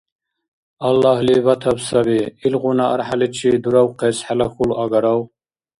Аллагьли батаб саби. Илгъуна архӀяличи дуравхъес хӀела хьул агарав?